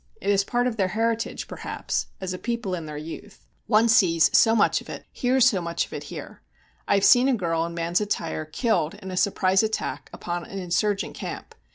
It is part of their heritage, perhaps, as a people in their youth. One sees so much of it, hears so much of it, here. I have seen a girl in man's attire killed in a surprise attack upon an insurgent camp.